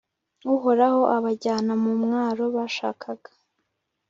uhoraho abajyana mu mwaro bashakaga